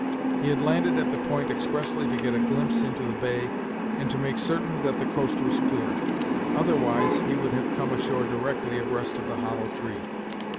He had landed at the point expressly to get a glimpse into the bay and to make certain that the coast was clear; otherwise he would have come ashore directly abreast of the hollow tree.